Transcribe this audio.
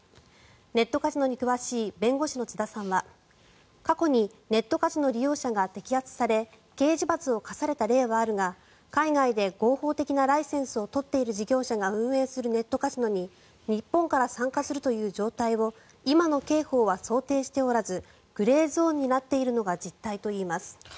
ネットカジノに詳しい弁護士の津田さんは過去にネットカジノ利用者が摘発され刑事罰を科された例はあるが海外で合法的なライセンスを取っている事業者が運営するネットカジノに日本から参加するという状態を今の刑法は想定しておらずグレーゾーンになっているのが実態といいます。